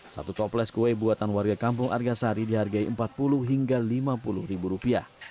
satu toples kue buatan warga kampung argasari dihargai rp empat puluh hingga lima puluh ribu rupiah